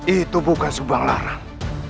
itu bukan subang larang